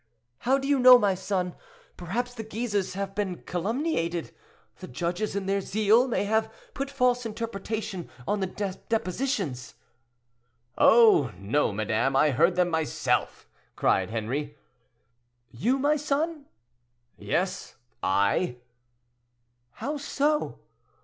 "How do you know, my son? Perhaps the Guises have been calumniated: the judges, in their zeal, may have put false interpretation on the depositions." "Oh! no, madame; I heard them myself!" cried Henri. "You, my son?" "Yes, I?" "How so?"